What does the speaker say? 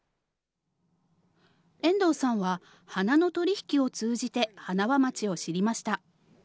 遠藤さんは、花の取り引きを通じて塙町を知りました。